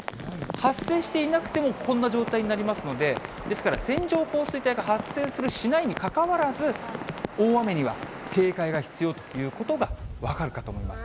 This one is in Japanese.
発生していなくても、こんな状態になりますので、ですから、線状降水帯が発生する、しないにかかわらず、大雨には警戒が必要ということが分かるかと思います。